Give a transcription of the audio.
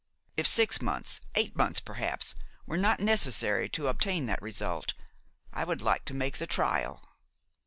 If six months, eight months, perhaps, were not necessary to obtain that result, I would like to make the trial!"